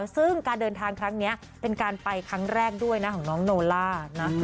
ซึ่งการเดินทางครั้งนี้เป็นการไปครั้งแรกด้วยนะของน้องโนล่านะ